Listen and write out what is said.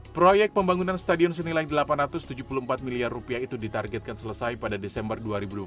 proyek pembangunan stadion senilai rp delapan ratus tujuh puluh empat miliar itu ditargetkan selesai pada desember dua ribu dua puluh